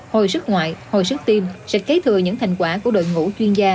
hồi sức ngoại hồi sức tim sẽ kế thừa những thành quả của đội ngũ chuyên gia